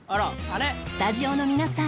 スタジオの皆さん